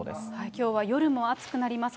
きょうは夜も暑くなります。